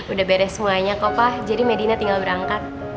udah beres semuanya kopa jadi medina tinggal berangkat